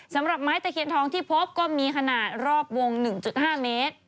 สำหรับไม้ตะเคียนทองที่พบก็มีขนาดรอบวง๑๕เมตร